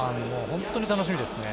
本当に楽しみですね。